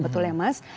betul ya mas